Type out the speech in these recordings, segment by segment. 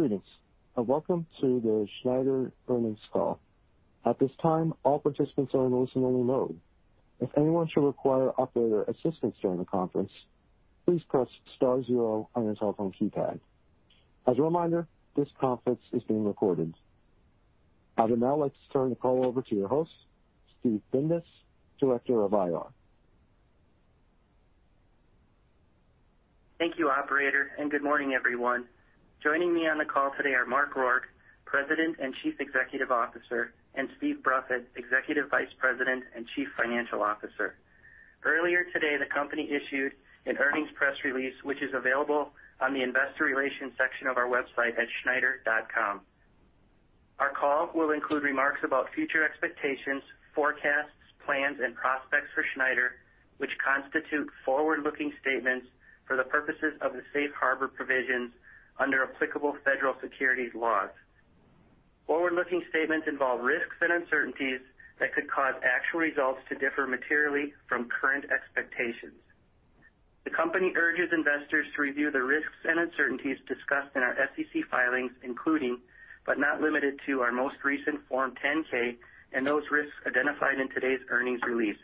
Greetings, welcome to the Schneider earnings call. At this time, all participants are in listen-only mode. If anyone should require operator assistance during the conference, please press star zero on your telephone keypad. As a reminder, this conference is being recorded. I would now like to turn the call over to your host, Steve Bindas, Director of Investor Relations. Thank you, operator, and good morning, everyone. Joining me on the call today are Mark Rourke, President and Chief Executive Officer, and Steve Bruffett, Executive Vice President and Chief Financial Officer. Earlier today, the company issued an earnings press release, which is available on the investor relations section of our website at schneider.com. Our call will include remarks about future expectations, forecasts, plans, and prospects for Schneider, which constitute forward-looking statements for the purposes of the safe harbor provisions under applicable federal securities laws. Forward-looking statements involve risks and uncertainties that could cause actual results to differ materially from current expectations. The company urges investors to review the risks and uncertainties discussed in our SEC filings, including, but not limited to, our most recent Form 10-K and those risks identified in today's earnings release.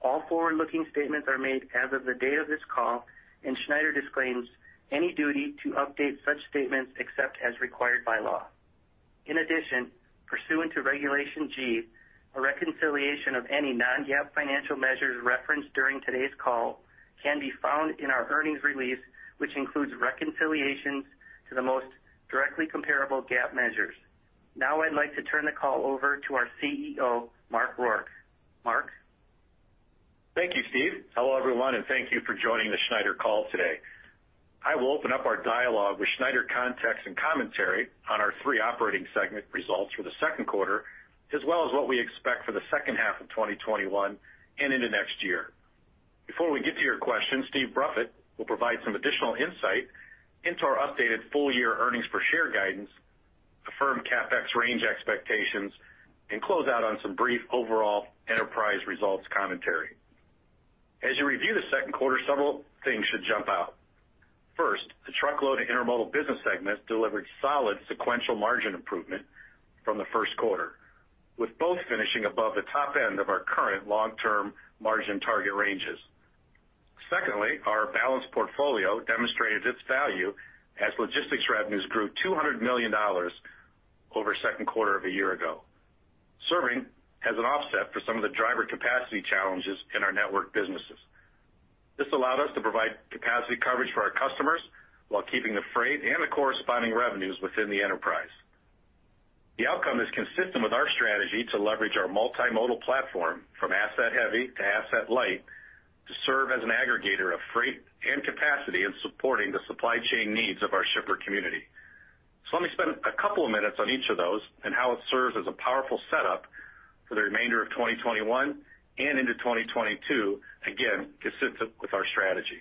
All forward-looking statements are made as of the date of this call, and Schneider disclaims any duty to update such statements except as required by law. In addition, pursuant to Regulation G, a reconciliation of any non-GAAP financial measures referenced during today's call can be found in our earnings release, which includes reconciliations to the most directly comparable GAAP measures. Now I'd like to turn the call over to our CEO, Mark Rourke. Mark? Thank you, Steve. Hello, everyone, and thank you for joining the Schneider National call today. I will open up our dialogue with Schneider National context and commentary on our three operating segment results for the second quarter, as well as what we expect for the second half of 2021 and into next year. Before we get to your questions, Steve Bruffett will provide some additional insight into our updated full-year earnings per share guidance, affirm CapEx range expectations, and close out on some brief overall enterprise results commentary. As you review the second quarter, several things should jump out. First, the truckload and intermodal business segments delivered solid sequential margin improvement from the first quarter, with both finishing above the top end of our current long-term margin target ranges. Secondly, our balanced portfolio demonstrated its value as logistics revenues grew $200 million over second quarter of a year ago, serving as an offset for some of the driver capacity challenges in our network businesses. This allowed us to provide capacity coverage for our customers while keeping the freight and the corresponding revenues within the enterprise. The outcome is consistent with our strategy to leverage our multimodal platform from asset heavy to asset light to serve as an aggregator of freight and capacity in supporting the supply chain needs of our shipper community. Let me spend a couple of minutes on each of those and how it serves as a powerful setup for the remainder of 2021 and into 2022, again, consistent with our strategy.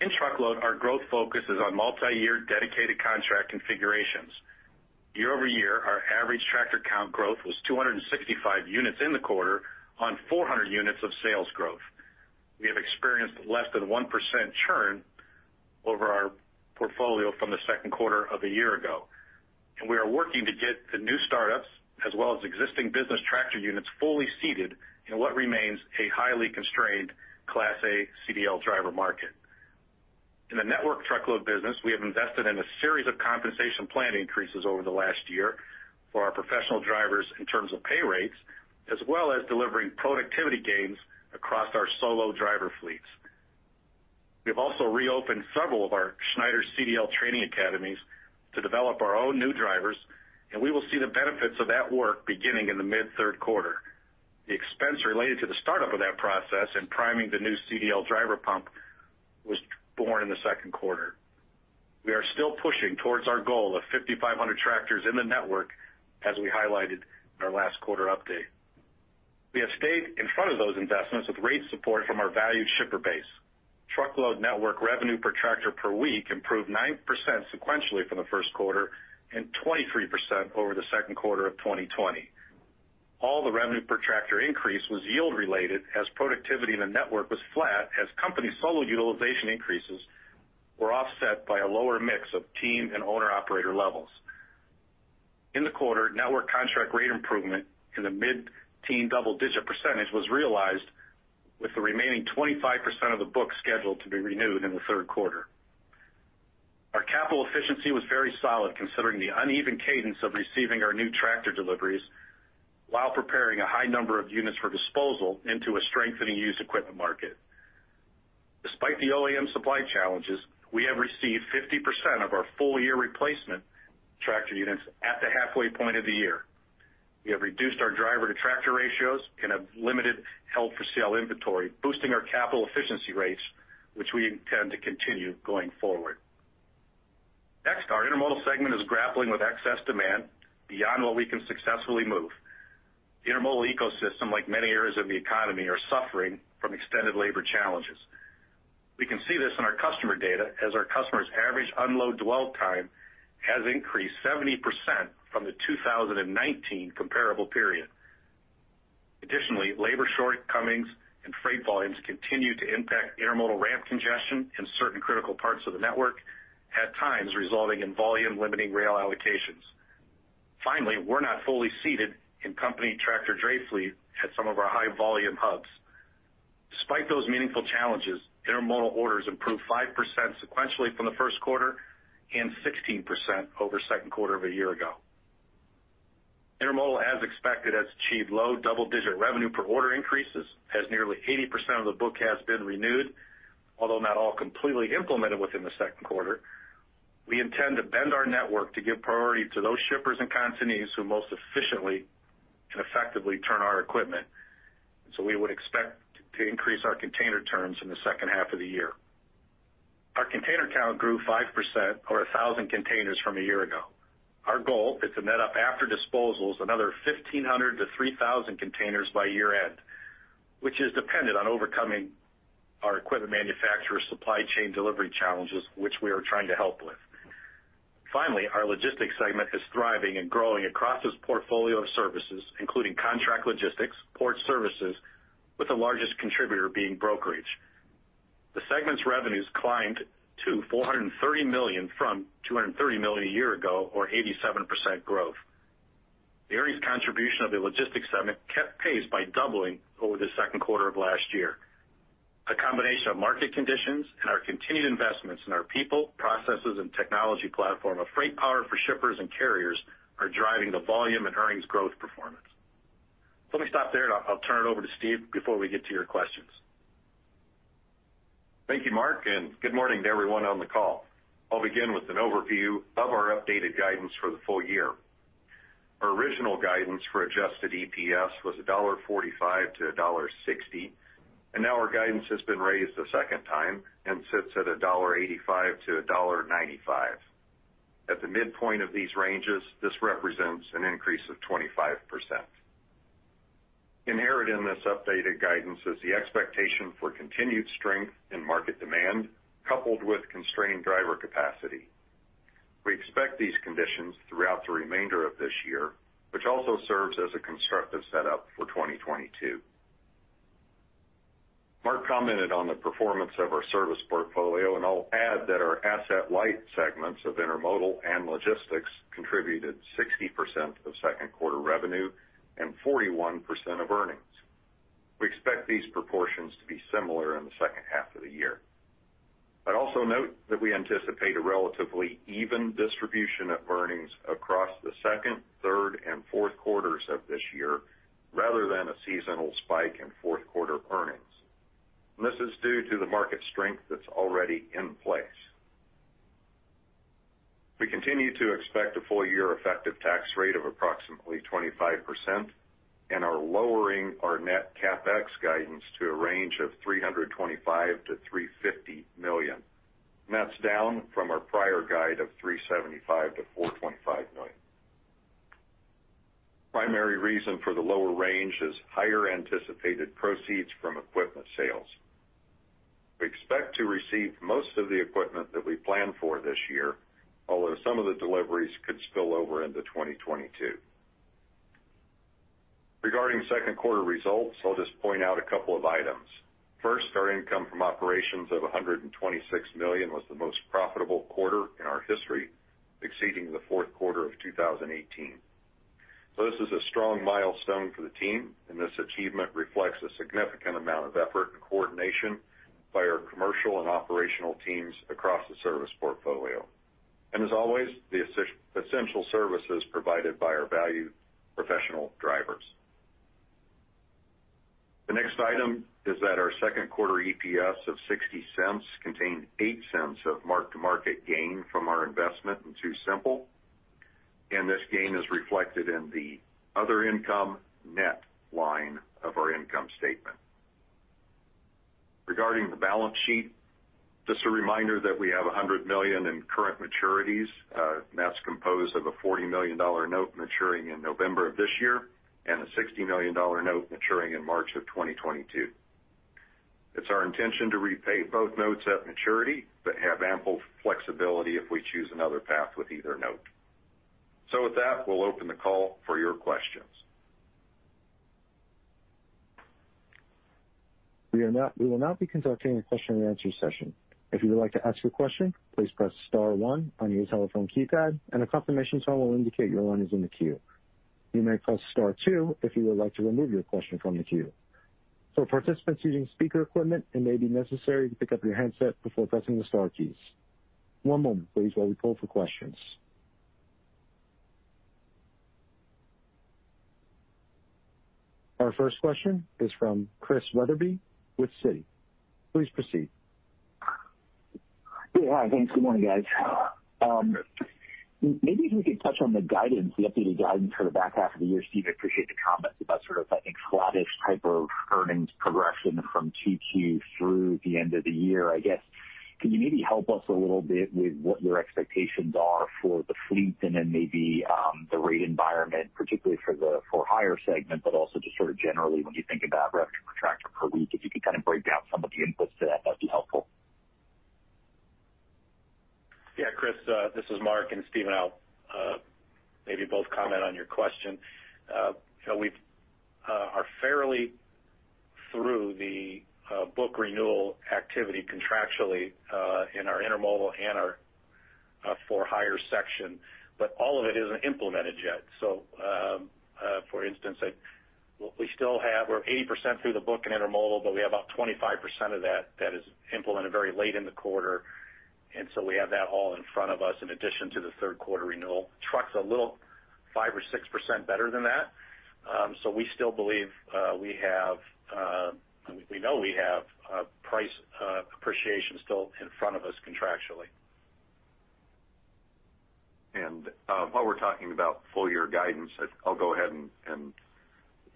In truckload, our growth focus is on multi-year dedicated contract configurations. Year-over-year, our average tractor count growth was 265 units in the quarter on 400 units of sales growth. We have experienced less than 1% churn over our portfolio from the second quarter of a year ago, and we are working to get the new startups, as well as existing business tractor units, fully seated in what remains a highly constrained Class A CDL driver market. In the network truckload business, we have invested in a series of compensation plan increases over the last year for our professional drivers in terms of pay rates, as well as delivering productivity gains across our solo driver fleets. We have also reopened several of our Schneider CDL training academies to develop our own new drivers, and we will see the benefits of that work beginning in the mid third quarter. The expense related to the startup of that process and priming the new CDL driver pump was borne in the second quarter. We are still pushing towards our goal of 5,500 tractors in the network, as we highlighted in our last quarter update. We have stayed in front of those investments with great support from our valued shipper base. Truckload network revenue per tractor per week improved 9% sequentially from the first quarter and 23% over the second quarter of 2020. All the revenue per tractor increase was yield related as productivity in the network was flat, as company solo utilization increases were offset by a lower mix of team and owner-operator levels. In the quarter, network contract rate improvement in the mid-teen double-digit percentage was realized with the remaining 25% of the book scheduled to be renewed in the third quarter. Our capital efficiency was very solid, considering the uneven cadence of receiving our new tractor deliveries while preparing a high number of units for disposal into a strengthening used equipment market. Despite the OEM supply challenges, we have received 50% of our full-year replacement tractor units at the halfway point of the year. We have reduced our driver-to-tractor ratios and have limited held-for-sale inventory, boosting our capital efficiency rates, which we intend to continue going forward. Next, our intermodal segment is grappling with excess demand beyond what we can successfully move. The intermodal ecosystem, like many areas of the economy, are suffering from extended labor challenges. We can see this in our customer data as our customers' average unload dwell time has increased 70% from the 2019 comparable period. Additionally, labor shortcomings and freight volumes continue to impact intermodal ramp congestion in certain critical parts of the network, at times resulting in volume-limiting rail allocations. Finally, we're not fully seated in company tractor dray fleet at some of our high-volume hubs. Despite those meaningful challenges, intermodal orders improved 5% sequentially from the first quarter and 16% over second quarter of a year ago. Intermodal, as expected, has achieved low double-digit revenue per order increases as nearly 80% of the book has been renewed, although not all completely implemented within the second quarter. We intend to bend our network to give priority to those shippers and consignees who most efficiently and effectively turn our equipment. We would expect to increase our container turns in the second half of the year. Our container count grew 5%, or 1,000 containers from a year ago. Our goal is to net up after disposals another 1,500-3,000 containers by year-end, which is dependent on overcoming our equipment manufacturer supply chain delivery challenges, which we are trying to help with. Finally, our logistics segment is thriving and growing across its portfolio of services, including contract logistics, port services, with the largest contributor being brokerage. The segment's revenues climbed to $430 million from $230 million a year ago, or 87% growth. The earnings contribution of the logistics segment kept pace by doubling over the second quarter of last year. A combination of market conditions and our continued investments in our people, processes, and technology platform of Schneider FreightPower for shippers and carriers are driving the volume and earnings growth performance. Let me stop there, and I'll turn it over to Steve before we get to your questions. Thank you, Mark, and good morning to everyone on the call. I'll begin with an overview of our updated guidance for the full year. Our original guidance for adjusted EPS was $1.45-$1.60; now our guidance has been raised a second time and sits at $1.85-$1.95. At the midpoint of these ranges, this represents an increase of 25%. Inherent in this updated guidance is the expectation for continued strength in market demand, coupled with constrained driver capacity. We expect these conditions throughout the remainder of this year, which also serves as a constructive setup for 2022. Mark commented on the performance of our service portfolio. I'll add that our asset-light segments of intermodal and logistics contributed 60% of second-quarter revenue and 41% of earnings. We expect these proportions to be similar in the second half of the year. I'd also note that we anticipate a relatively even distribution of earnings across the second, third, and fourth quarters of this year, rather than a seasonal spike in fourth quarter earnings. This is due to the market strength that's already in place. We continue to expect a full year effective tax rate of approximately 25% and are lowering our net CapEx guidance to a range of $325 million-$350 million. That's down from our prior guide of $375 million-$425 million. Primary reason for the lower range is higher anticipated proceeds from equipment sales. We expect to receive most of the equipment that we plan for this year, although some of the deliveries could spill over into 2022. Regarding second-quarter results, I'll just point out a couple of items. First, our income from operations of $126 million was the most profitable quarter in our history, exceeding the fourth quarter of 2018. This is a strong milestone for the team, and this achievement reflects a significant amount of effort and coordination by our commercial and operational teams across the service portfolio. As always, the essential services provided by our valued professional drivers. The next item is that our second quarter EPS of $0.60 contained $0.08 of mark-to-market gain from our investment in TuSimple; this gain is reflected in the other income net line of our income statement. Regarding the balance sheet, just a reminder that we have $100 million in current maturities. That's composed of a $40 million note maturing in November of this year, and a $60 million note maturing in March of 2022. It's our intention to repay both notes at maturity but have ample flexibility if we choose another path with either note. With that, we'll open the call for your questions. We will now be conducting a question-and-answer session. If you would like to ask a question, please press star one on your telephone keypad, and a confirmation tone will indicate your line is in the queue. You may press star two if you would like to remove your question from the queue. For participants using speaker equipment, it may be necessary to pick up your handset before pressing the star keys. One moment, please while we poll for questions. Our first question is from Chris Wetherbee with Citi. Please proceed. Yeah. Thanks. Good morning, guys. Maybe if we could touch on the guidance, the updated guidance for the back half of the year. Steve, I appreciate the comments about sort of, I think, sluggish type of earnings progression from Q2 through the end of the year. I guess, can you maybe help us a little bit with what your expectations are for the fleet and then maybe the rate environment, particularly for the for-hire segment, but also just sort of generally when you think about revenue per tractor per week, if you could kind of break out some of the inputs to that'd be helpful. Yeah, Chris, this is Mark. I'll maybe both comment on your question. We are fairly through the book renewal activity contractually, in our intermodal and our for-hire section, but all of it isn't implemented yet. For instance, we're 80% through the book in intermodal, but we have about 25% of that that is implemented very late in the quarter, and so we have that all in front of us, in addition to the third quarter renewal. Truck's a little, 5% or 6% better than that. We still believe we know we have price appreciation still in front of us contractually. While we're talking about full-year guidance, I'll go ahead and,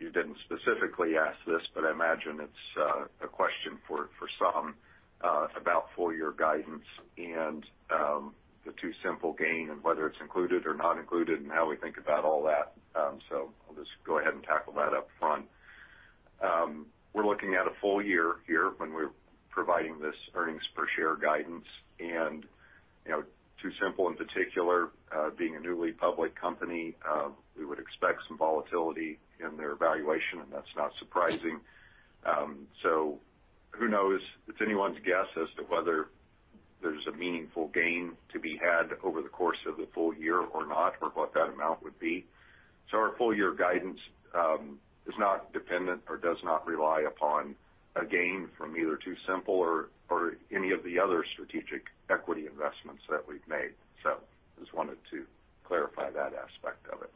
you didn't specifically ask this, but I imagine it's a question for some about full-year guidance and the TuSimple gain and whether it's included or not included, and how we think about all that. I'll just go ahead and tackle that up front. We're looking at a full year here when we're providing this earnings per share guidance. TuSimple, in particular, being a newly public company, we would expect some volatility in their valuation, and that's not surprising. Who knows? It's anyone's guess as to whether there's a meaningful gain to be had over the course of the full year or not, or what that amount would be. Our full year guidance is not dependent or does not rely upon a gain from either TuSimple or any of the other strategic equity investments that we've made. Just wanted to clarify that aspect of it.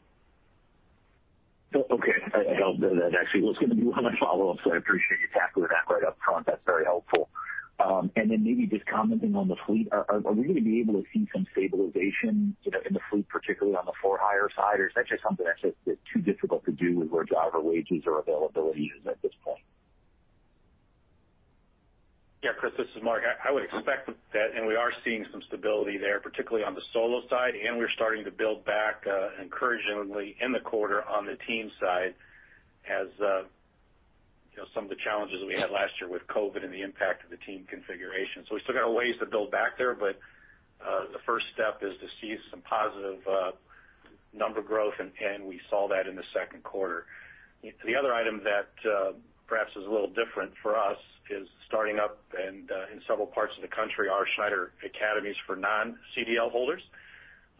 Okay. That actually was going to be my follow-up. I appreciate you tackling that right up front. That's very helpful. Maybe just commenting on the fleet. Are we going to be able to see some stabilization in the fleet, particularly on the for-hire side, or is that just something that's just too difficult to do with where driver wages or availability is at this point? Yeah, Chris, this is Mark. I would expect that, and we are seeing some stability there, particularly on the solo side, and we're starting to build back encouragingly in the quarter on the team side, as some of the challenges we had last year with COVID and the impact of the team configuration. We still got a ways to build back there, but the first step is to see some positive number growth, and we saw that in the second quarter. The other item that perhaps is a little different for us is starting up in several parts of the country, our Schneider academies for non-CDL holders.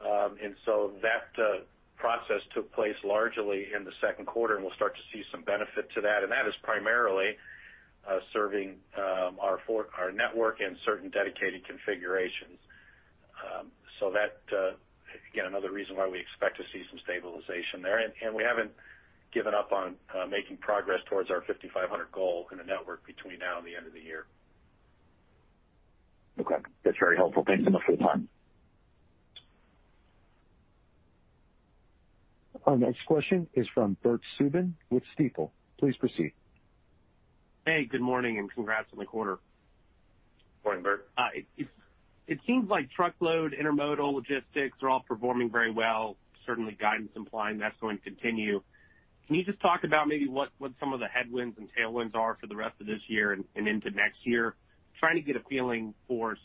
That process took place largely in the second quarter, and we'll start to see some benefit to that. That is primarily serving our network and certain dedicated configurations. That, again, another reason why we expect to see some stabilization there. We haven't given up on making progress towards our 5,500 goal in the network between now and the end of the year. Okay. That's very helpful. Thanks so much for the time. Our next question is from Bert Subin with Stifel. Please proceed. Hey, good morning, and congrats on the quarter. Morning, Bert. It seems like truckload, intermodal, logistics are all performing very well. Guidance implying that's going to continue. Can you just talk about maybe what some of the headwinds and tailwinds are for the rest of this year and into next year? Trying to get a feeling for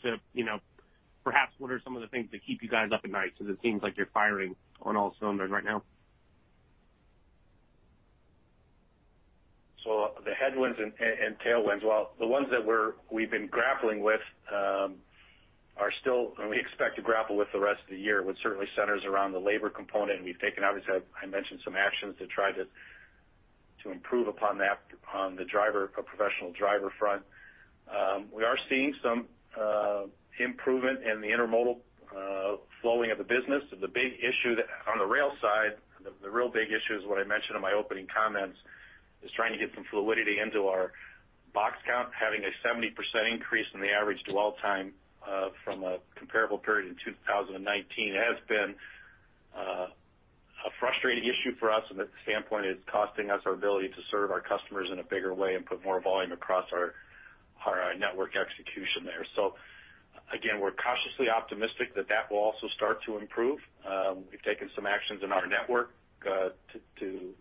perhaps what are some of the things that keep you guys up at night, because it seems like you're firing on all cylinders right now. The headwinds and tailwinds. Well, the ones that we've been grappling with are still, and we expect to grapple with the rest of the year, which certainly centers around the labor component. We've taken, obviously, I mentioned some actions to try to improve upon that on the professional driver front. We are seeing some improvement in the intermodal flowing of the business. The big issue on the rail side, the real big issue, is what I mentioned in my opening comments, is trying to get some fluidity into our box count. Having a 70% increase in the average dwell time from a comparable period in 2019 has been a frustrating issue for us from the standpoint it's costing us our ability to serve our customers in a bigger way and put more volume across our network execution there. Again, we're cautiously optimistic that that will also start to improve. We've taken some actions in our network, to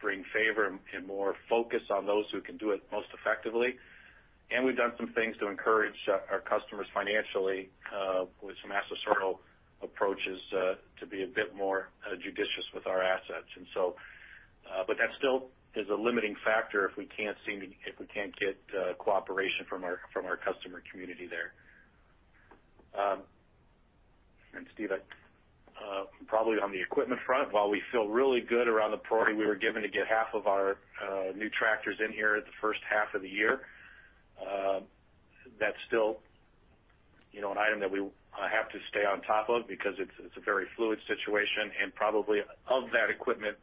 bring favor and more focus on those who can do it most effectively. We've done some things to encourage our customers financially, with some asset sale approaches, to be a bit more judicious with our assets. That still is a limiting factor if we can't get cooperation from our customer community there. Probably on the equipment front, while we feel really good around the priority we were given to get half of our new tractors in here at the first half of the year, that's still an item that we have to stay on top of because it's a very fluid situation, and probably of that equipment,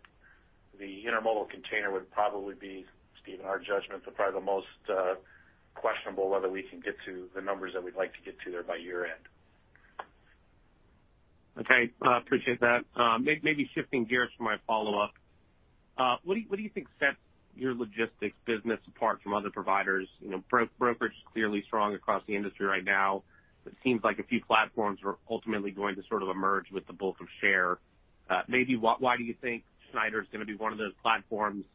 the intermodal container would probably be, in our judgment, probably the most questionable whether we can get to the numbers that we'd like to get to there by year-end. Okay. Appreciate that. Maybe shifting gears for my follow-up. What do you think sets your logistics business apart from other providers? Brokerage is clearly strong across the industry right now. It seems like a few platforms are ultimately going to sort of emerge with the bulk of share. Maybe why do you think Schneider is going to be one of those platforms?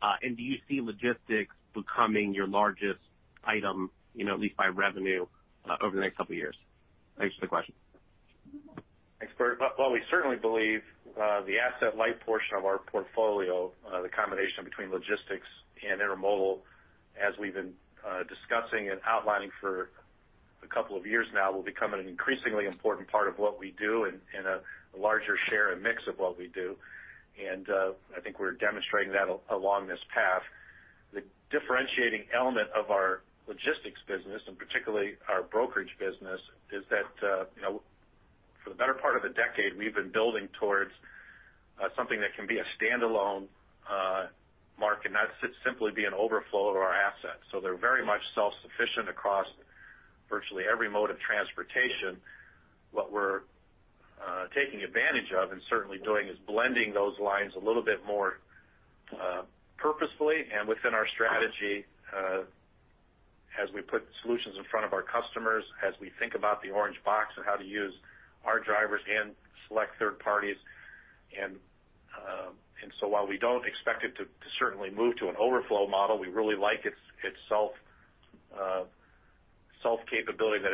Do you see logistics becoming your largest item, at least by revenue, over the next couple of years? Thanks for the question. Thanks, Bert. Well, we certainly believe the asset light portion of our portfolio, the combination between logistics and intermodal, as we've been discussing and outlining for a couple of years now, will become an increasingly important part of what we do and a larger share and mix of what we do. I think we're demonstrating that along this path. The differentiating element of our logistics business, and particularly our brokerage business, is that for the better part of a decade, we've been building towards something that can be a standalone market, not simply be an overflow of our assets. They're very much self-sufficient across virtually every mode of transportation. What we're taking advantage of, and certainly doing, is blending those lines a little bit more purposefully, and within our strategy, as we put solutions in front of our customers, as we think about the Orange Box and how to use our drivers and select third parties. While we don't expect it to certainly move to an overflow model, we really like its self-capability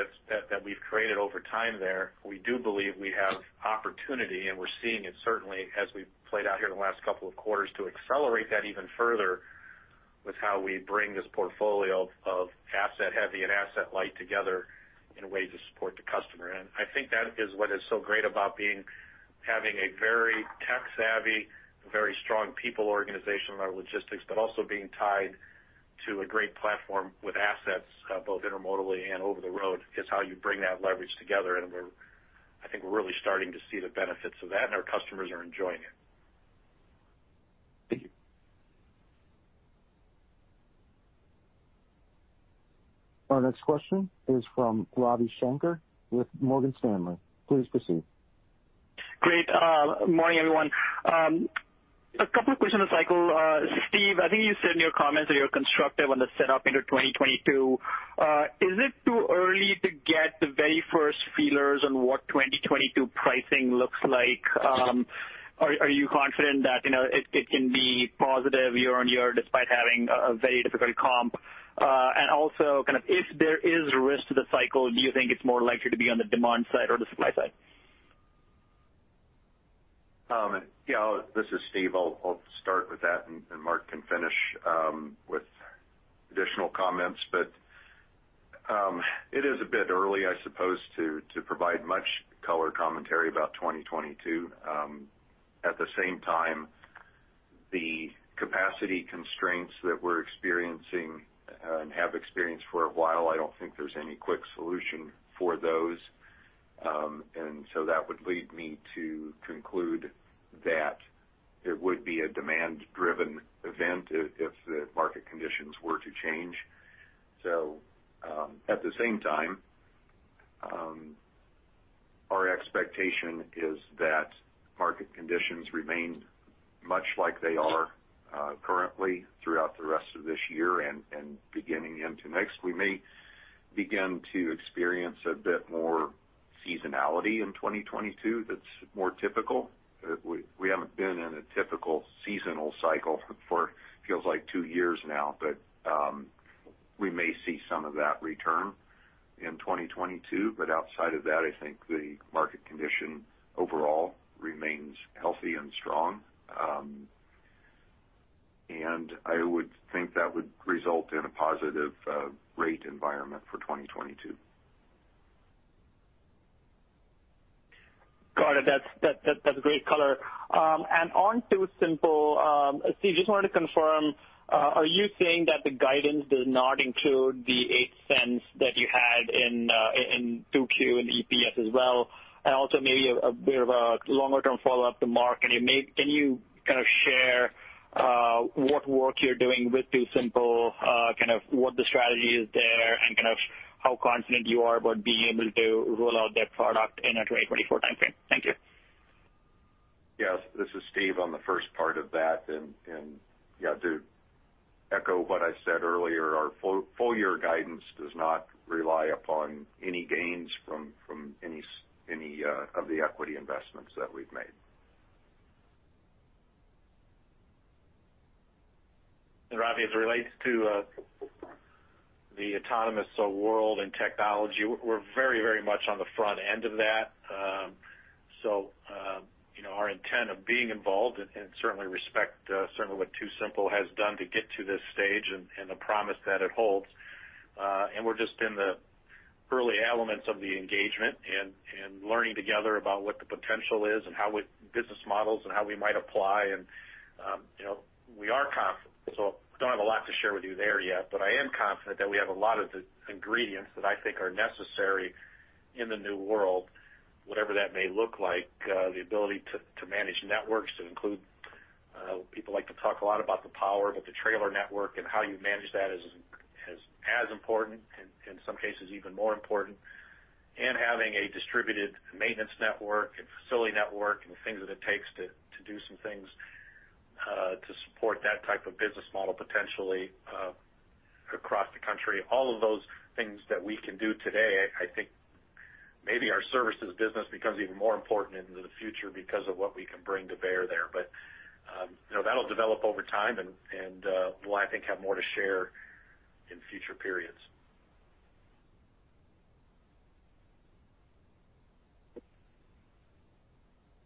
that we've created over time there. We do believe we have opportunity, and we're seeing it certainly as we've played out here in the last couple of quarters, to accelerate that even further with how we bring this portfolio of asset heavy and asset light together in a way to support the customer. I think that is what is so great about having a very tech savvy, a very strong people organization in our logistics, but also being tied to a great platform with assets, both intermodally and over the road. It's how you bring that leverage together, and I think we're really starting to see the benefits of that, and our customers are enjoying it. Thank you. Our next question is from Ravi Shanker with Morgan Stanley. Please proceed. Great. Morning, everyone. A couple of questions on the cycle. Steve, I think you said in your comments that you are constructive on the setup into 2022. Is it too early to get the very first feelers on what 2022 pricing looks like? Are you confident that it can be positive year-on-year despite having a very difficult comp? Also, if there is risk to the cycle, do you think it's more likely to be on the demand side or the supply side? Yeah. This is Steve. I'll start with that, and Mark can finish with additional comments. It is a bit early, I suppose, to provide much color commentary about 2022. At the same time, the capacity constraints that we're experiencing, and have experienced for a while, I don't think there's any quick solution for those. That would lead me to conclude that it would be a demand-driven event if the market conditions were to change. At the same time, our expectation is that market conditions remain much like they are currently throughout the rest of this year and beginning into next. We may begin to experience a bit more seasonality in 2022, that's more typical. We haven't been in a typical seasonal cycle for feels like two years now, but we may see some of that return in 2022. Outside of that, I think the market condition overall remains healthy and strong. I would think that would result in a positive rate environment for 2022. Got it. That's great color. On TuSimple, Steve, just wanted to confirm, are you saying that the guidance does not include the $0.08 that you had in 2Q in EPS as well? Also, maybe a bit of a longer-term follow-up to Mark. Can you share what work you're doing with TuSimple, what the strategy is there, and how confident you are about being able to roll out that product in a 2024 timeframe? Thank you. Yes. This is Steve on the first part of that. Yeah, to echo what I said earlier, our full year guidance does not rely upon any gains from any of the equity investments that we've made. Ravi, as it relates to the autonomous world and technology, we're very much on the front end of that. Our intent of being involved, and certainly respect certainly what TuSimple has done to get to this stage and the promise that it holds. We're just in the early elements of the engagement, and learning together about what the potential is, and business models, and how we might apply. We are confident. Don't have a lot to share with you there yet, but I am confident that we have a lot of the ingredients that I think are necessary in the new world, whatever that may look like. The ability to manage networks to include, people like to talk a lot about the power, the trailer network and how you manage that is as important, in some cases even more important. Having a distributed maintenance network and facility network and the things that it takes to do some things to support that type of business model potentially country, all of those things that we can do today, I think maybe our services business becomes even more important into the future because of what we can bring to bear there. That'll develop over time, and we'll, I think, have more to share in future periods.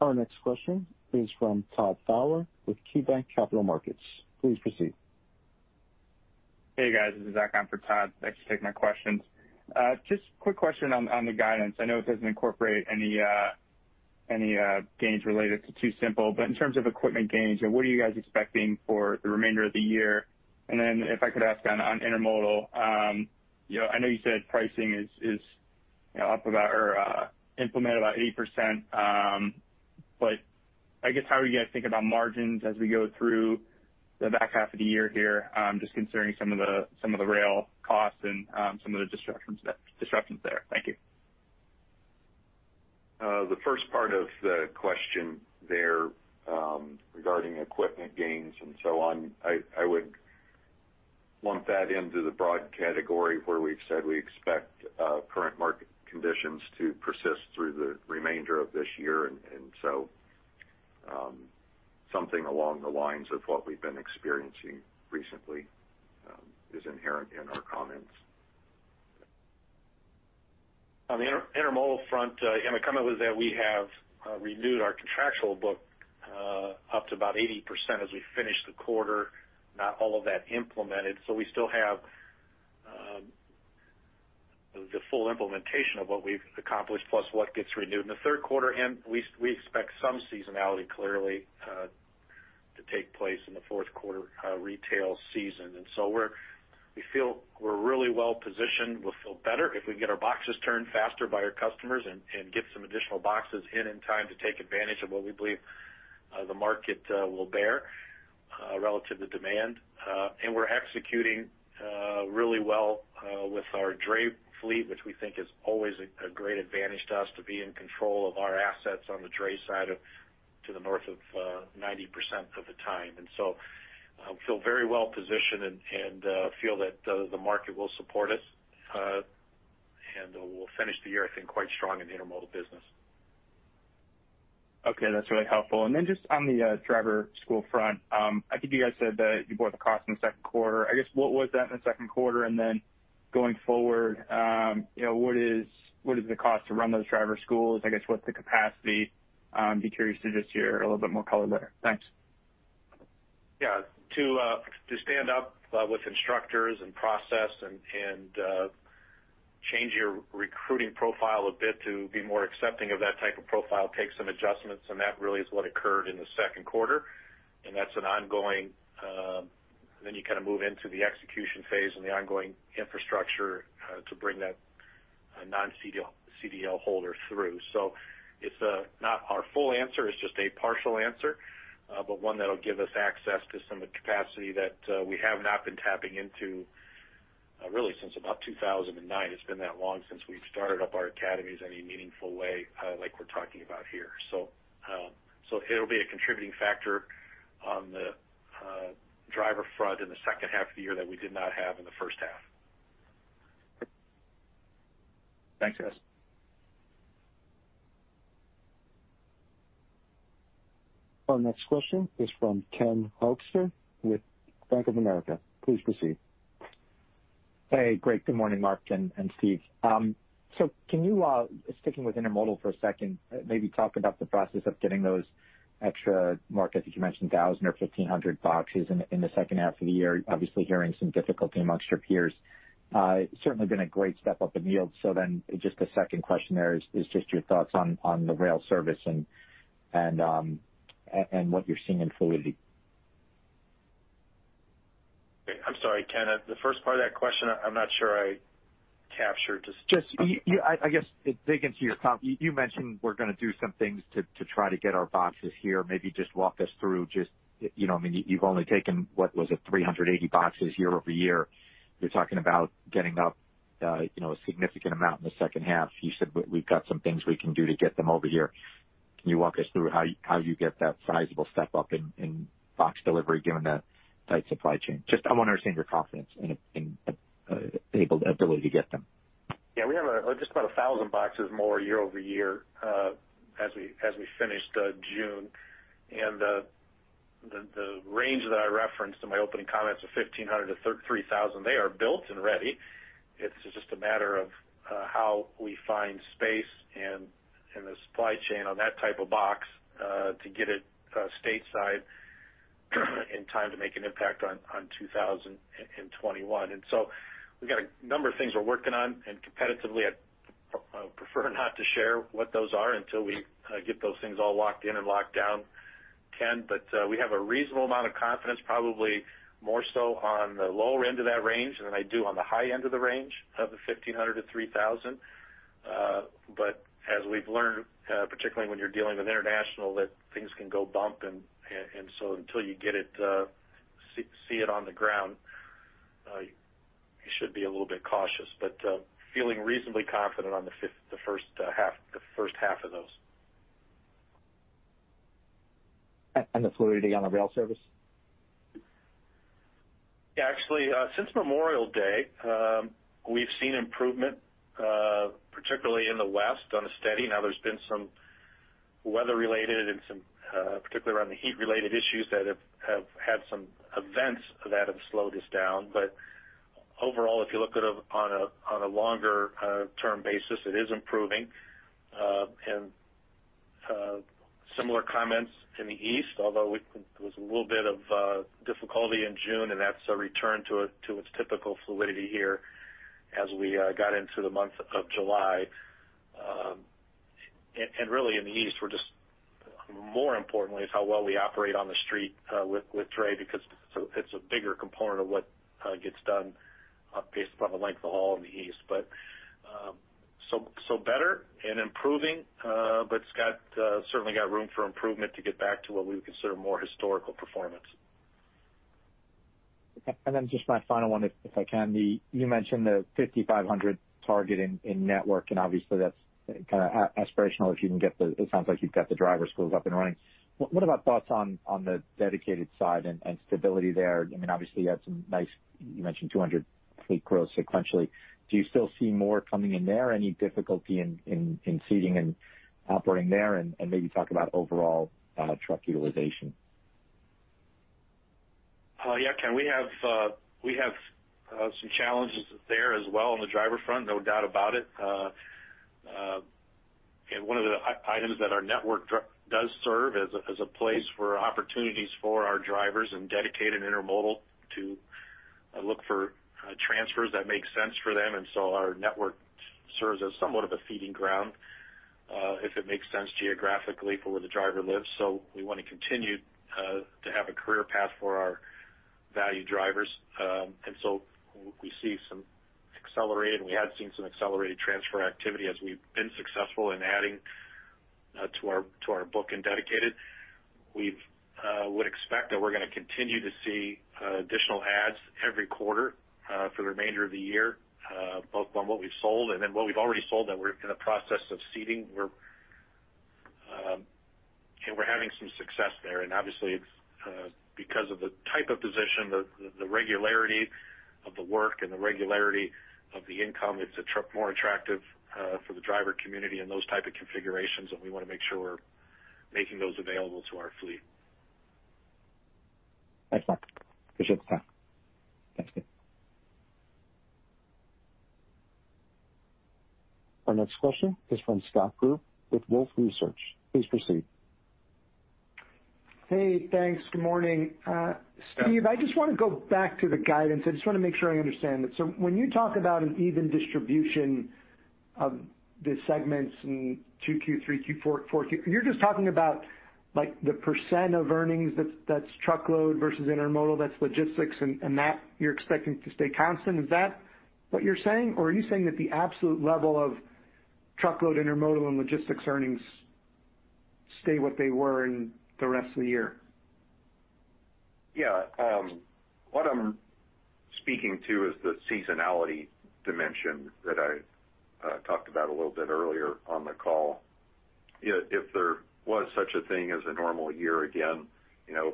Our next question is from Todd Fowler with KeyBanc Capital Markets. Please proceed. Hey, guys. This is Zach. I am for Todd. Thanks for taking my questions. Just a quick question on the guidance. I know it does not incorporate any gains related to TuSimple. In terms of equipment gains, what are you guys expecting for the remainder of the year? If I could ask on Intermodal, I know you said pricing is up about or implemented about 80%. I guess how are you guys thinking about margins as we go through the back half of the year here, just considering some of the rail costs and some of the disruptions there. Thank you. The first part of the question there, regarding equipment gains and so on, I would lump that into the broad category where we've said we expect current market conditions to persist through the remainder of this year. Something along the lines of what we've been experiencing recently is inherent in our comments. On the Intermodal front, and it comes with that we have renewed our contractual book up to about 80% as we finish the quarter, not all of that implemented. We still have the full implementation of what we've accomplished, plus what gets renewed in the third quarter. We expect some seasonality clearly to take place in the fourth quarter retail season. We feel we're really well positioned. We'll feel better if we can get our boxes turned faster by our customers and get some additional boxes in in time to take advantage of what we believe the market will bear relative to demand. We're executing really well with our dray fleet, which we think is always a great advantage to us to be in control of our assets on the dray side to the north of 90% of the time. Feel very well positioned and feel that the market will support us, and we'll finish the year, I think, quite strong in the Intermodal business. Okay. That's really helpful. Then just on the driver school front, I think you guys said that you bore the cost in the second quarter. I guess what was that in the second quarter, and then going forward, what is the cost to run those driver schools? I guess what's the capacity? Be curious to just hear a little bit more color there. Thanks. Yeah. To stand up with instructors and process and change your recruiting profile a bit to be more accepting of that type of profile takes some adjustments, and that really is what occurred in the second quarter. Then you kind of move into the execution phase and the ongoing infrastructure to bring that non-CDL holder through. It's not our full answer, it's just a partial answer, but one that'll give us access to some of the capacity that we have not been tapping into, really, since about 2009. It's been that long since we've started up our academies any meaningful way, like we're talking about here. It'll be a contributing factor on the driver front in the second half of the year that we did not have in the first half. Thanks, guys. Our next question is from Ken Hoexter with Bank of America. Please proceed. Hey, great. Good morning, Mark and Steve. Can you, sticking with Intermodal for a second, maybe talk about the process of getting those extra, Mark, I think you mentioned 1,000 or 1,500 boxes in the second half of the year? Obviously, hearing some difficulty amongst your peers. Certainly been a great step up in yield. Just a second question, there is just your thoughts on the rail service and what you're seeing in fluidity? I'm sorry, Ken, the first part of that question, I'm not sure I captured. Just, I guess, to dig into your comment, you mentioned we're going to do some things to try to get our boxes here. Maybe just walk us through, you've only taken, what was it, 380 boxes year-over-year. You're talking about getting up a significant amount in the second half. You said we've got some things we can do to get them over here. Can you walk us through how you get that sizable step up in box delivery given the tight supply chain? Just I want to understand your confidence in ability to get them. Yeah, we have just about 1,000 boxes more year-over-year as we finished June. The range that I referenced in my opening comments of 1,500-3,000, they are built and ready. It's just a matter of how we find space in the supply chain on that type of box to get it stateside in time to make an impact on 2021. We've got a number of things we're working on, and competitively, I prefer not to share what those are until we get those things all locked in and locked down, Ken. We have a reasonable amount of confidence, probably more so on the lower end of that range than I do on the high end of the range of the 1,500-3,000. As we've learned, particularly when you're dealing with international, that things can go bump, and so until you see it on the ground, you should be a little bit cautious. Feeling reasonably confident on the first half of those. The fluidity on the rail service? Actually, since Memorial Day, we've seen improvement, particularly in the West on a steady. There's been some weather related and some, particularly around the heat related issues that have had some events that have slowed us down. Overall, if you look at it on a longer term basis, it is improving. Similar comments in the East, although there was a little bit of difficulty in June, and that's a return to its typical fluidity here as we got into the month of July. Really in the East, more importantly, is how well we operate on the street with dray, because it's a bigger component of what gets done based upon the length of haul in the East. Better and improving, but it's certainly got room for improvement to get back to what we would consider more historical performance. Okay. Just my final one, if I can. You mentioned the 5,500 target in network; obviously, that's kind of aspirational. It sounds like you've got the driver schools up and running. What about thoughts on the dedicated side and stability there? Obviously, you mentioned 200 fleet growth sequentially. Do you still see more coming in there? Any difficulty in seating and operating there? Maybe talk about overall truck utilization. Yeah, Ken, we have some challenges there as well on the driver front, no doubt about it. One of the items that our network does serve as a place for opportunities for our drivers in dedicated intermodal to look for transfers that make sense for them. Our network serves as somewhat of a feeding ground, if it makes sense geographically for where the driver lives. We want to continue to have a career path for our valued drivers. We see some accelerated, and we have seen some accelerated transfer activity as we've been successful in adding to our book in dedicated. We would expect that we're going to continue to see additional adds every quarter for the remainder of the year, both on what we've sold and then what we've already sold that we're in the process of seating. We're having some success there. Obviously, it's because of the type of position, the regularity of the work, and the regularity of the income. It's more attractive for the driver community and those type of configurations, and we want to make sure we're making those available to our fleet. Thanks, Mark. Appreciate the time. Thanks. Our next question is from Scott Group with Wolfe Research. Please proceed. Hey, thanks. Good morning. Yeah. Steve, I just want to go back to the guidance. I just want to make sure I understand it. When you talk about an even distribution of the segments in Q2 Q3, Q4, you're just talking about the percent of earnings that's truckload versus intermodal, that's logistics, and that you're expecting to stay constant. Is that what you're saying? Or are you saying that the absolute level of truckload, intermodal, and logistics earnings stay what they were in the rest of the year? Yeah. What I'm speaking to is the seasonality dimension that I talked about a little bit earlier on the call. If there was such a thing as a normal year again,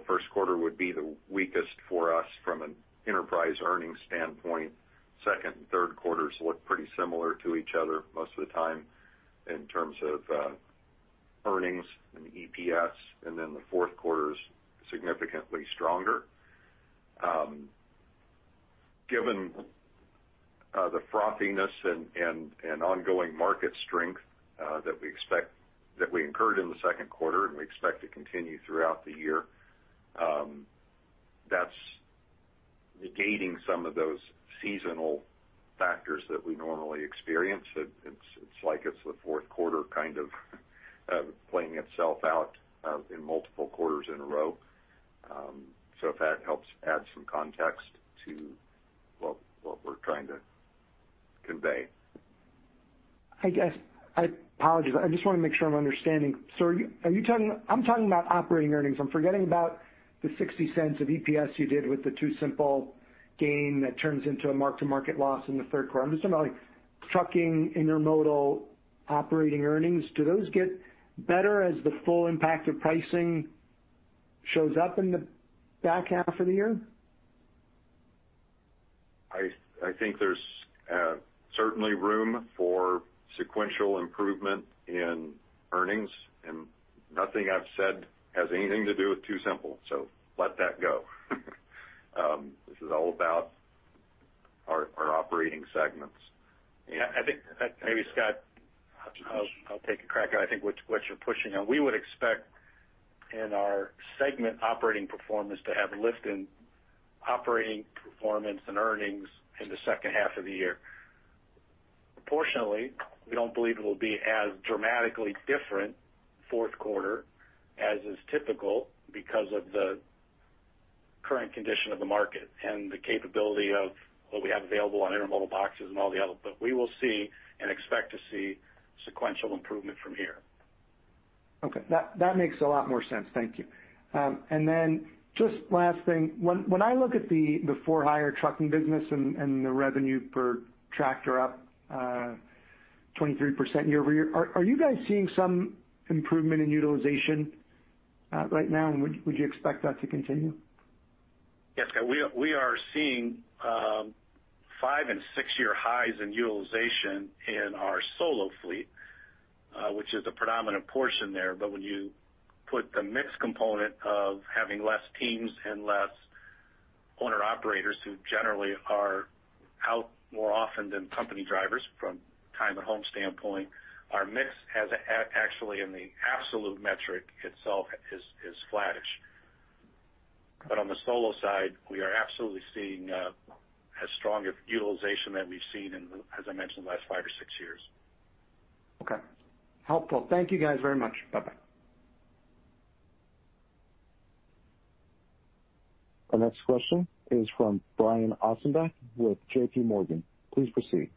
first quarter would be the weakest for us from an enterprise earnings standpoint. Second and third quarters look pretty similar to each other most of the time in terms of earnings and EPS, and then the fourth quarter is significantly stronger. Given the frothiness and ongoing market strength that we incurred in the second quarter and we expect to continue throughout the year, that's negating some of those seasonal factors that we normally experience. It's like it's the fourth quarter kind of playing itself out in multiple quarters in a row. If that helps add some context to what we're trying to convey. I guess, apologies, I just want to make sure I'm understanding. I'm talking about operating earnings. I'm forgetting about the $0.60 of EPS you did with the TuSimple gain that turns into a mark-to-market loss in the third quarter. I'm just talking about trucking, intermodal operating earnings. Do those get better as the full impact of pricing shows up in the back half of the year? I think there's certainly room for sequential improvement in earnings, and nothing I've said has anything to do with TuSimple, so let that go. This is all about our operating segments. Yeah, I think maybe, Scott, I'll take a crack at it. I think what you're pushing on. We would expect in our segment operating performance to have lift in operating performance and earnings in the second half of the year. Proportionally, we don't believe it will be as dramatically different fourth quarter as is typical because of the current condition of the market and the capability of what we have available on intermodal boxes and all the other. We will see and expect to see sequential improvement from here. Okay. That makes a lot more sense. Thank you. Then just last thing. When I look at the for hire trucking business and the revenue per tractor up 23% year-over-year, are you guys seeing some improvement in utilization right now, and would you expect that to continue? Yes. We are seeing five and six-year highs in utilization in our solo fleet, which is a predominant portion there. But when you put the mix component of having less teams and less owner-operators, who generally are out more often than company drivers from time at home standpoint, our mix has actually, in the absolute metric itself, is flattish. But on the solo side, we are absolutely seeing as strong of utilization that we've seen in, as I mentioned, the last five or six years. Okay. Helpful. Thank you guys very much. Bye-bye. Our next question is from Brian Ossenbeck with JPMorgan. Please proceed.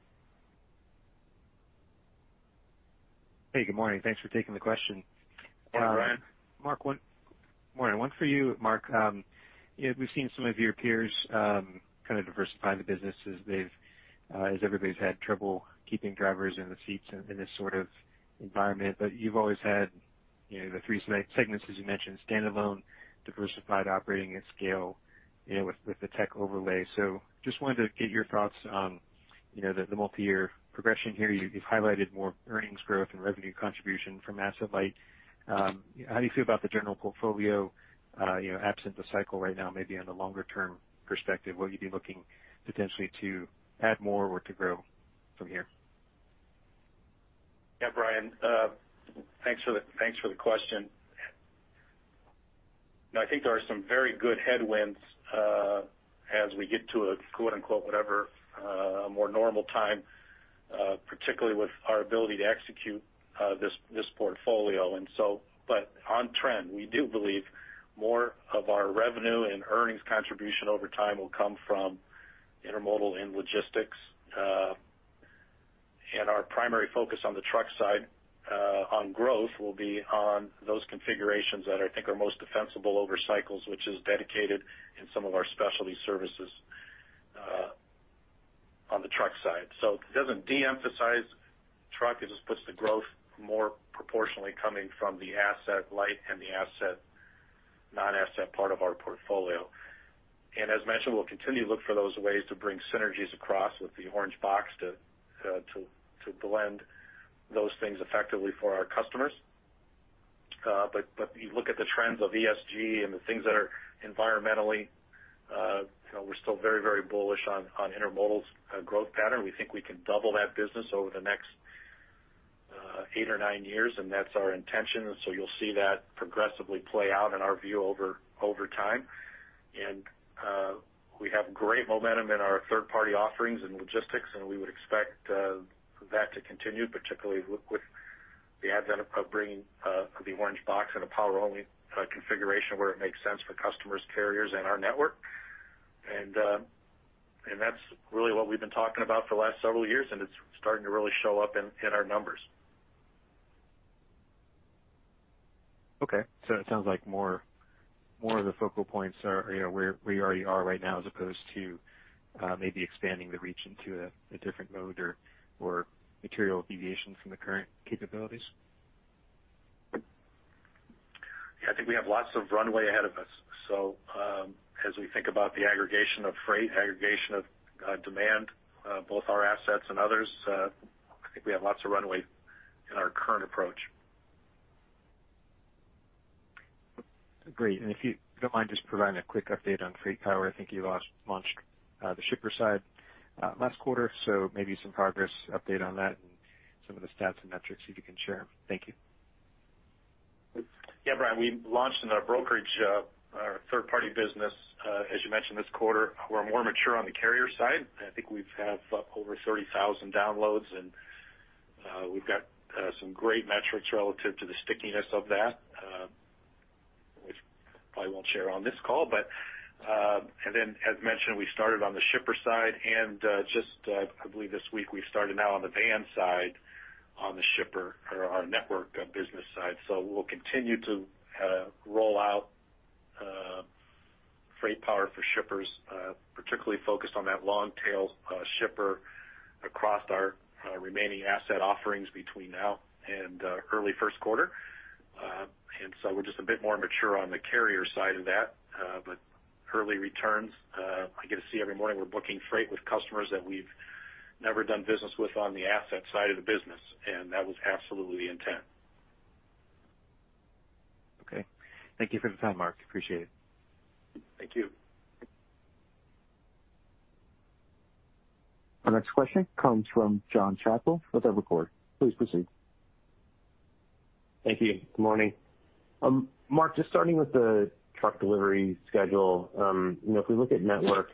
Hey, good morning. Thanks for taking the question. Hey, Brian. Morning. One for you, Mark. We've seen some of your peers kind of diversify the businesses as everybody's had trouble keeping drivers in the seats in this sort of environment. You've always had the three segments, as you mentioned, standalone, diversified, operating at scale, with the tech overlay. Just wanted to get your thoughts on the multi-year progression here. You've highlighted more earnings growth and revenue contribution from asset light. How do you feel about the general portfolio, absent the cycle right now, maybe on the longer-term perspective? Will you be looking potentially to add more or to grow from here? Yeah, Brian. Thanks for the question. No, I think there are some very good headwinds, as we get to a, " whatever, more normal time", particularly with our ability to execute this portfolio. On trend, we do believe more of our revenue and earnings contribution over time will come from intermodal and logistics. Our primary focus on the truck side on growth will be on those configurations that I think are most defensible over cycles, which is dedicated in some of our specialty services on the truck side. It doesn't de-emphasize truck. It just puts the growth more proportionally coming from the asset-light and the non-asset part of our portfolio. As mentioned, we'll continue to look for those ways to bring synergies across with the Orange Box to blend those things effectively for our customers. If you look at the trends of ESG and the things that are environmentally, we're still very bullish on intermodal's growth pattern. We think we can double that business over the next eight or nine years, and that's our intention. So you'll see that progressively play out in our view over time. We have great momentum in our third-party offerings and logistics, and we would expect that to continue, particularly with the advent of bringing the Orange Box in a power-only configuration, where it makes sense for customers, carriers, and our network. That's really what we've been talking about for the last several years, and it's starting to really show up in our numbers. Okay. It sounds like more of the focal points are where you already are right now, as opposed to maybe expanding the reach into a different mode or material deviation from the current capabilities. Yeah, I think we have lots of runway ahead of us. As we think about the aggregation of freight, aggregation of demand, both our assets and others, I think we have lots of runway in our current approach. Great. If you don't mind just providing a quick update on FreightPower. I think you launched the shipper side last quarter, so maybe some progress update on that and some of the stats and metrics, if you can share. Thank you. Yeah, Brian, we launched a brokerage, our third-party business, as you mentioned, this quarter. We're more mature on the carrier side. I think we have over 30,000 downloads, we've got some great metrics relative to the stickiness of that, which probably won't share on this call. As mentioned, we started on the shipper side, and just, I believe this week, we've started now on the van side on the shipper or our network business side. We'll continue to roll out FreightPower for shippers, particularly focused on that long-tail shipper across our remaining asset offerings between now and early first quarter. We're just a bit more mature on the carrier side of that. Early returns, I get to see every morning we're booking freight with customers that we've never done business with on the asset side of the business, and that was absolutely the intent. Okay. Thank you for the time, Mark. Appreciate it. Thank you. Our next question comes from Jon Chappell with Evercore. Please proceed. Thank you. Good morning. Mark, just starting with the truck delivery schedule. If we look at network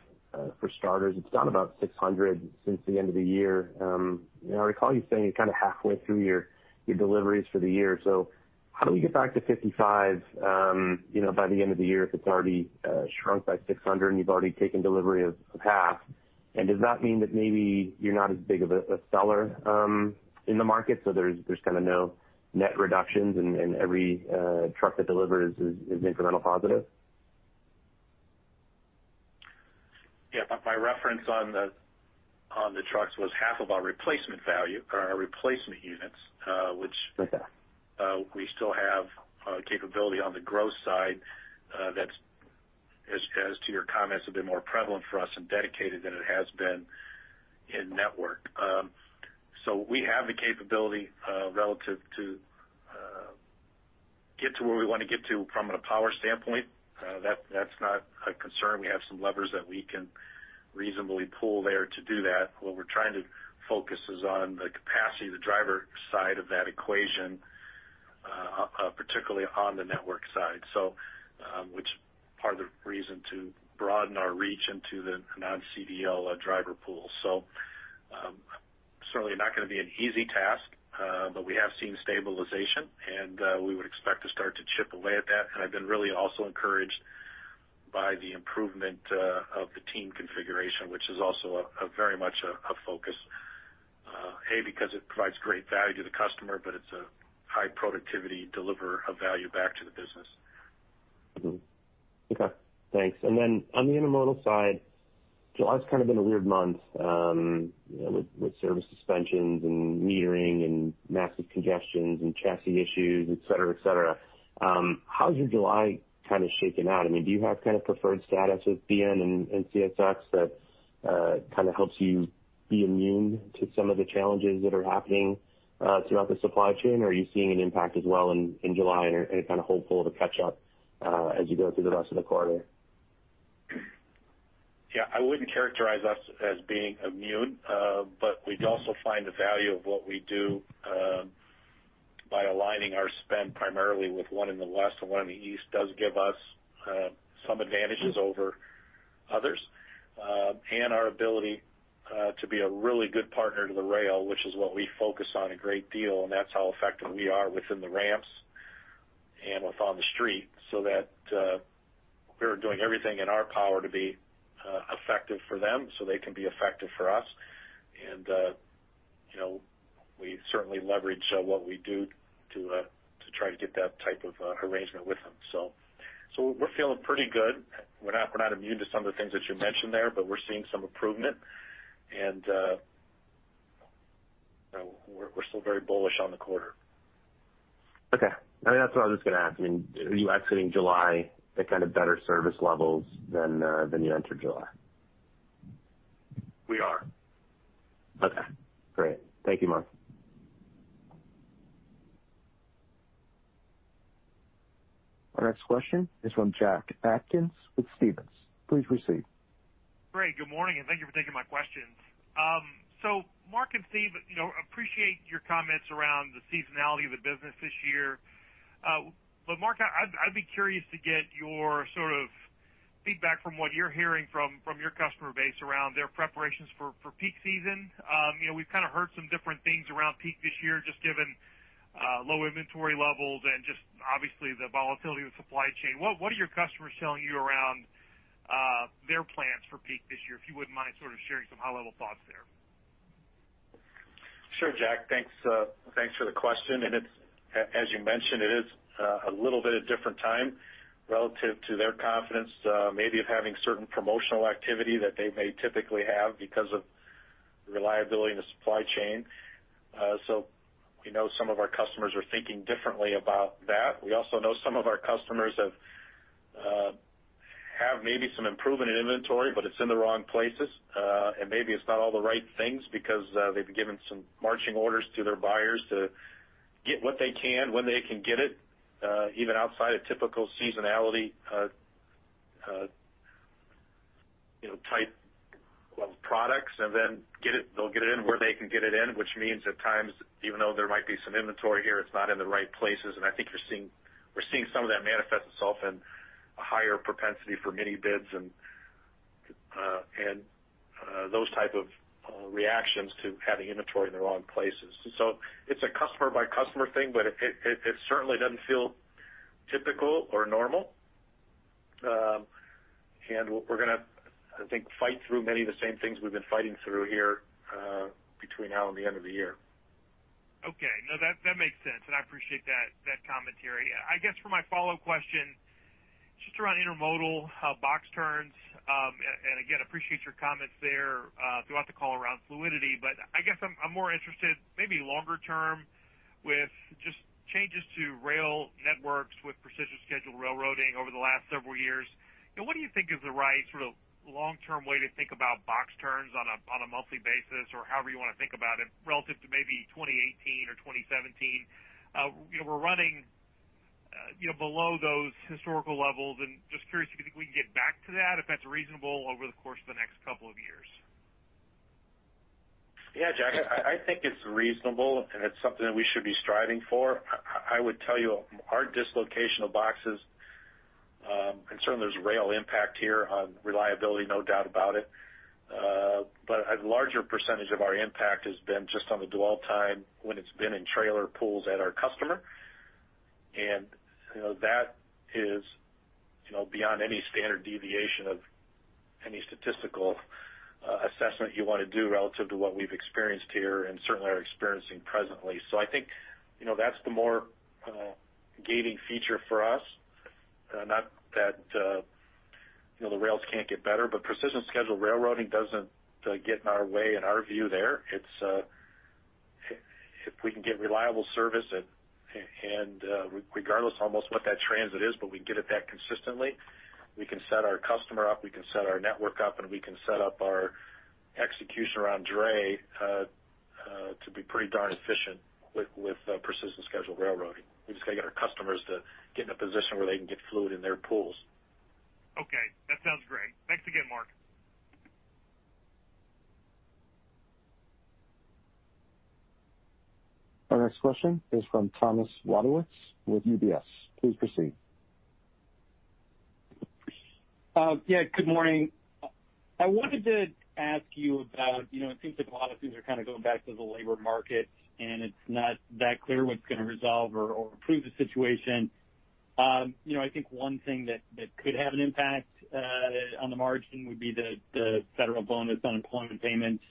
for starters, it's down about 600 since the end of the year. I recall you saying you're kind of halfway through your deliveries for the year. How do we get back to 55 by the end of the year if it's already shrunk by 600, and you've already taken delivery of half? Does that mean that maybe you're not as big of a seller in the market, so there's kind of no net reductions, and every truck that delivers is incremental positive? Yeah. My reference on the trucks was half of our replacement value or our replacement units, which we still have capability on the growth side that's, as to your comments, have been more prevalent for us and dedicated than it has been in network. We have the capability relative to get to where we want to get to from a power standpoint. That's not a concern. We have some levers that we can reasonably pull there to do that. What we're trying to focus is on the capacity of the driver side of that equation, particularly on the network side. Which part of the reason to broaden our reach into the non-CDL driver pool. Certainly not going to be an easy task, but we have seen stabilization, and we would expect to start to chip away at that. I've been really also encouraged by the improvement of the team configuration, which is also a very much a focus, A, because it provides great value to the customer, but it's a high productivity deliverer of value back to the business. Okay, thanks. On the intermodal side, July's kind of been a weird month, with service suspensions and metering and massive congestions and chassis issues, et cetera. How has your July shaken out? Do you have preferred status with BNSF and CSX that kind of helps you be immune to some of the challenges that are happening throughout the supply chain? Are you seeing an impact as well in July and kind of hopeful to catch up, as you go through the rest of the quarter? Yeah, I wouldn't characterize us as being immune. We also find the value of what we do, by aligning our spend primarily with one in the west and one in the east, does give us some advantages over others. Our ability to be a really good partner to the rail, which is what we focus on a great deal, and that's how effective we are within the ramps and with on the street, so that we are doing everything in our power to be effective for them so they can be effective for us. We certainly leverage what we do to try to get that type of arrangement with them. We're feeling pretty good. We're not immune to some of the things that you mentioned there, but we're seeing some improvement. We're still very bullish on the quarter. Okay. That's what I was just going to ask. Are you exiting July at kind of better service levels than you entered July? We are. Okay, great. Thank you, Mark. Our next question is from Jack Atkins with Stephens. Please proceed. Great. Good morning, and thank you for taking my questions. Mark and Steve, appreciate your comments around the seasonality of the business this year. Mark, I'd be curious to get your sort of feedback from what you're hearing from your customer base around their preparations for peak season. We've kind of heard some different things around peak this year, just given low inventory levels and just obviously the volatility of the supply chain. What are your customers telling you around their plans for peak this year? If you wouldn't mind sort of sharing some high-level thoughts there. Sure, Jack. Thanks for the question. As you mentioned, it is a little bit of different time relative to their confidence, maybe of having certain promotional activity that they may typically have because of reliability in the supply chain. We know some of our customers are thinking differently about that. We also know some of our customers have maybe some improvement in inventory, but it's in the wrong places. Maybe it's not all the right things because they've been given some marching orders to their buyers to get what they can when they can get it, even outside of typical seasonality type of products. They'll get it in where they can get it in, which means at times, even though there might be some inventory here, it's not in the right places. I think we're seeing some of that manifest itself in a higher propensity for mini bids and those type of reactions to having inventory in the wrong places. It's a customer-by-customer thing, but it certainly doesn't feel typical or normal. We're going to, I think, fight through many of the same things we've been fighting through here, between now and the end of the year. Okay. No, that makes sense, and I appreciate that commentary. I guess for my follow question, just around intermodal box turns. Again, appreciate your comments there throughout the call around fluidity, but I guess I'm more interested, maybe longer term, with just changes to rail networks with precision scheduled railroading over the last several years. What do you think is the right sort of long-term way to think about box turns on a monthly basis or however you want to think about it, relative to maybe 2018 or 2017? We're running below those historical levels, and just curious if you think we can get back to that, if that's reasonable over the course of the next couple of years. Yeah, Jack, I think it's reasonable, and it's something that we should be striving for. I would tell you our dislocation of boxes, concerned there's rail impact here on reliability, no doubt about it. A larger percentage of our impact has been just on the dwell time when it's been in trailer pools at our customer. That is beyond any standard deviation of any statistical assessment you want to do relative to what we've experienced here and certainly are experiencing presently. I think that's the more gating feature for us, not that the rails can't get better, but precision scheduled railroading doesn't get in our way in our view there. If we can get reliable service, and regardless almost what that transit is, but we can get at that consistently, we can set our customer up, we can set our network up, and we can set up our execution around dray to be pretty darn efficient with precision scheduled railroading. We just gotta get our customers to get in a position where they can get fluid in their pools. Okay, that sounds great. Thanks again, Mark. Our next question is from Thomas Wadewitz with UBS. Please proceed. Yeah, good morning. I wanted to ask you about, it seems like a lot of things are going back to the labor market, and it's not that clear what's going to resolve or improve the situation. I think one thing that could have an impact on the margin would be the federal bonus unemployment payments.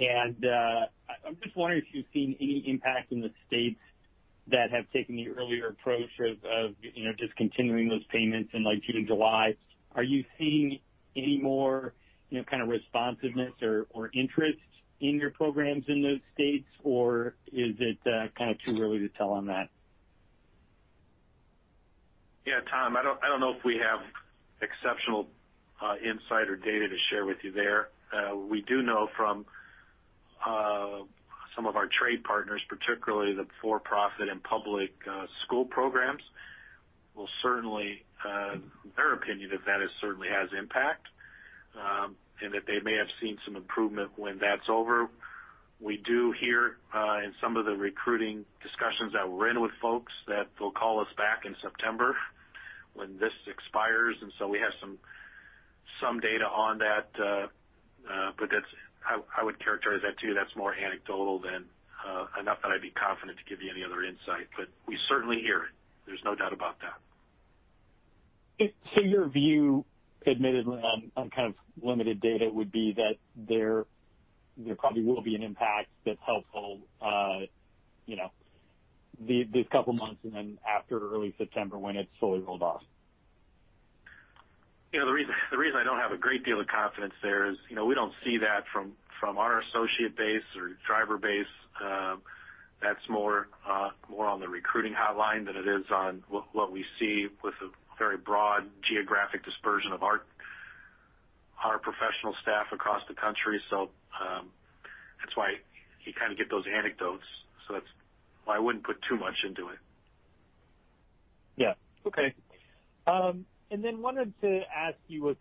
I'm just wondering if you've seen any impact in the states that have taken the earlier approach of discontinuing those payments in June, July. Are you seeing any more kind of responsiveness or interest in your programs in those states, or is it kind of too early to tell on that? Yeah, Tom, I don't know if we have exceptional insight or data to share with you there. We do know from some of our trade partners, particularly the for-profit and public school programs, well, certainly, their opinion of that is certainly has impact, and that they may have seen some improvement when that's over. We do hear in some of the recruiting discussions that we're in with folks that they'll call us back in September when this expires, and so we have some data on that. I would characterize that, too, that's more anecdotal than not that I'd be confident to give you any other insight. We certainly hear it. There's no doubt about that. Your view, admittedly on kind of limited data, would be that there probably will be an impact that's helpful these couple of months, and then after early September when it's fully rolled off. The reason I don't have a great deal of confidence there is we don't see that from our associate base or driver base. That's more on the recruiting hotline than it is on what we see with a very broad geographic dispersion of our professional staff across the country. That's why you kind of get those anecdotes, so that's why I wouldn't put too much into it. Yeah. Okay. Wanted to ask you, I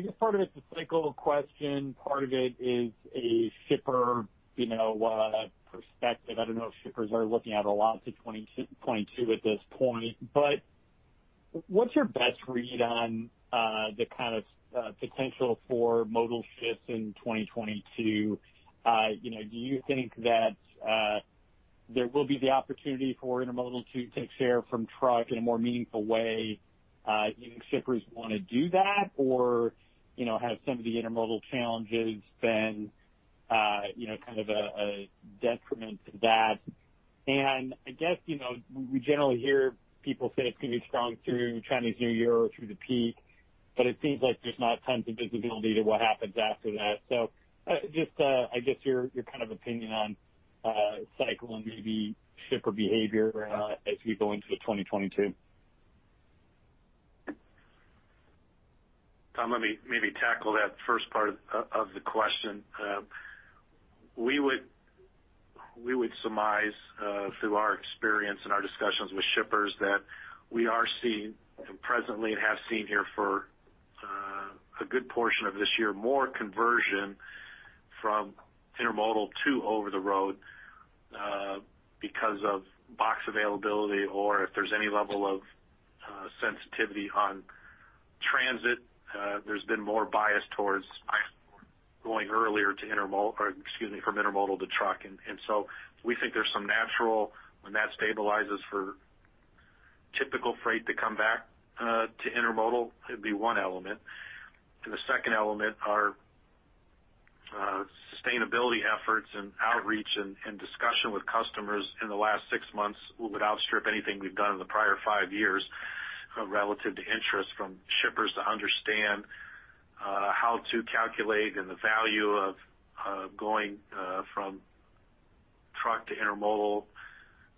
guess part of it's a cycle question, part of it is a shipper perspective. I don't know if shippers are looking at a lot to 2022 at this point. What's your best read on the potential for modal shifts in 2022? Do you think that there will be the opportunity for intermodal to take share from truck in a more meaningful way? Do you think shippers want to do that? Have some of the intermodal challenges been kind of a detriment to that? I guess, we generally hear people say it's going to be strong through Chinese New Year or through the peak. It seems like there's not tons of visibility to what happens after that. Just, I guess your kind of opinion on cycle and maybe shipper behavior as we go into 2022. Tom, let me maybe tackle that first part of the question. We would surmise, through our experience and our discussions with shippers, that we are seeing, and presently have seen here for a good portion of this year, more conversion from intermodal to over-the-road because of box availability, or if there's any level of sensitivity on transit, there's been more bias towards going earlier to intermodal, or excuse me, from intermodal to truck. We think there's some natural, when that stabilizes for typical freight to come back to intermodal, it'd be one element. The second element, our sustainability efforts, and outreach, and discussion with customers in the last six months, would outstrip anything we've done in the prior five years relative to interest from shippers to understand how to calculate and the value of going from truck to intermodal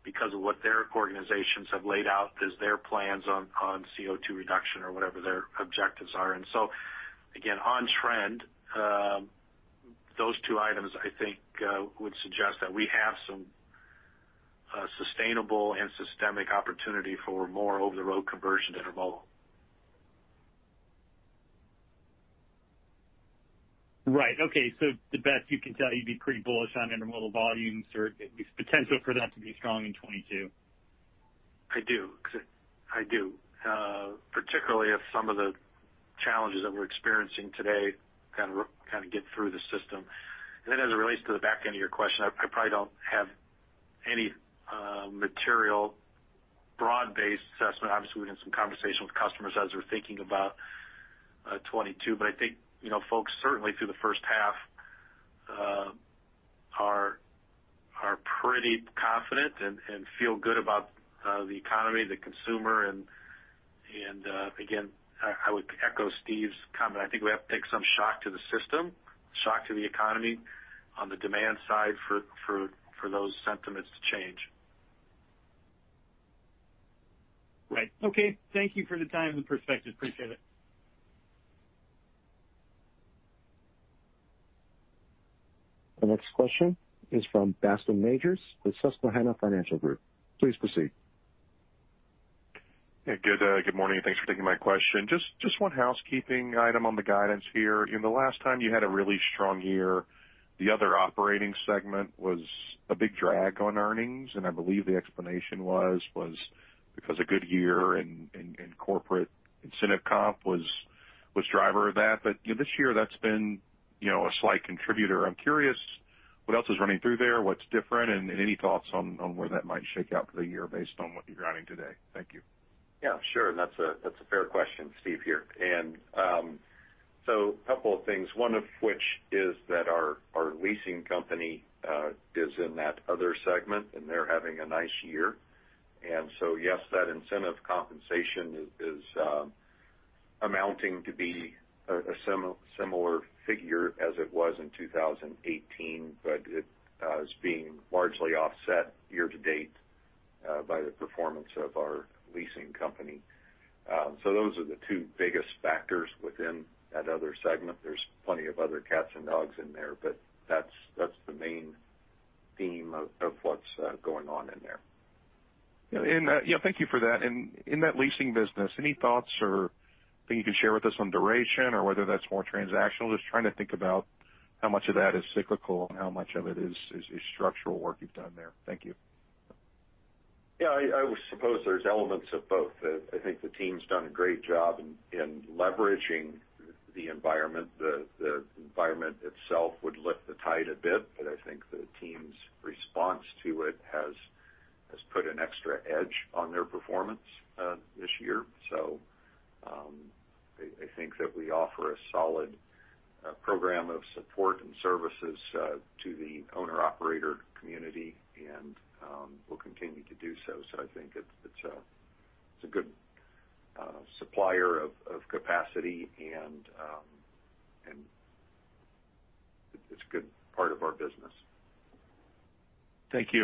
because of what their organizations have laid out as their plans on CO₂ reduction or whatever their objectives are. Again, on trend, those two items, I think, would suggest that we have some sustainable and systemic opportunity for more over-the-road conversion to intermodal. Right. Okay. The best you can tell, you'd be pretty bullish on intermodal volumes or at least potential for that to be strong in 2022. I do. Particularly if some of the challenges that we're experiencing today kind of get through the system. As it relates to the back end of your question, I probably don't have any material. Broad-based assessment. Obviously, we've had some conversations with customers as we're thinking about 2022, but I think folks, certainly through the first half, are pretty confident and feel good about the economy, the consumer, and again, I would echo Steve's comment. I think we have to take some shock to the system, shock to the economy on the demand side for those sentiments to change. Right. Okay. Thank you for the time and the perspective. Appreciate it. The next question is from Bascome Majors with Susquehanna Financial Group. Please proceed. Good morning, and thanks for taking my question. Just one housekeeping item on the guidance here. In the last time you had a really strong year, the other operating segment was a big drag on earnings, and I believe the explanation was because of good year and corporate incentive comp was driver of that. This year that's been a slight contributor. I'm curious what else is running through there, what's different, and any thoughts on where that might shake out for the year based on what you're guiding today. Thank you. Yeah, sure. That's a fair question. Steve here. A couple of things, one of which is that our leasing company is in that other segment, and they're having a nice year. Yes, that incentive compensation is amounting to be a similar figure as it was in 2018, but it is being largely offset year to date by the performance of our leasing company. Those are the two biggest factors within that other segment. There's plenty of other cats and dogs in there, but that's the main theme of what's going on in there. Yeah. Thank you for that. In that leasing business, any thoughts or things you can share with us on duration, or whether that's more transactional? Just trying to think about how much of that is cyclical and how much of it is structural work you've done there. Thank you. Yeah. I suppose there's elements of both. I think the team's done a great job in leveraging the environment. The environment itself would lift the tide a bit, but I think the team's response to it has put an extra edge on their performance this year. I think that we offer a solid program of support and services to the owner/operator community, and we'll continue to do so. I think it's a good supplier of capacity, and it's a good part of our business. Thank you.